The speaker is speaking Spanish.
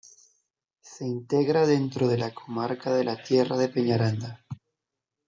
Se integra dentro de la comarca de la Tierra de Peñaranda.